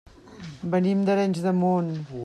Venim d'Arenys de Munt.